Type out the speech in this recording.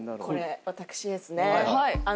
これ私ですね。